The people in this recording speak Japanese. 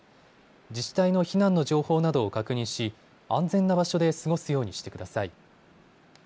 自治体の避難の情報などを確認し、安全な場所で過ごすようにしてください。